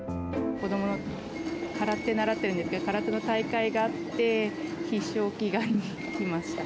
子どもが空手習ってるんですけど、空手の大会があって、必勝祈願に来ました。